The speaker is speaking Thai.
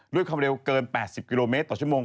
ด้วยความเร็วเกิน๘๐กิโลเมตรต่อชั่วโมง